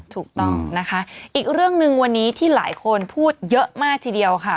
ถูกต้องนะคะอีกเรื่องหนึ่งวันนี้ที่หลายคนพูดเยอะมากทีเดียวค่ะ